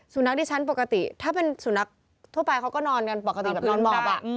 นักดิฉันปกติถ้าเป็นสุนัขทั่วไปเขาก็นอนกันปกติแบบนอนหมอบ